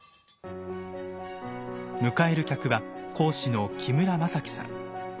迎える客は講師の木村雅基さん。